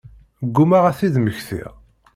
Ggumaɣ ad t-id-mmektiɣ.